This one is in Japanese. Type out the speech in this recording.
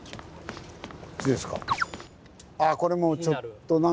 こっちですか？